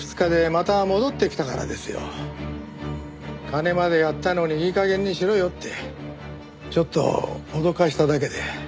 金までやったのにいいかげんにしろよってちょっと脅かしただけで。